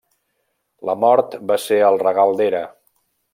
La mort va ser el regal d'Hera.